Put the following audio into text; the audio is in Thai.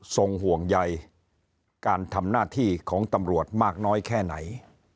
ห่วงใยการทำหน้าที่ของตำรวจมากน้อยแค่ไหน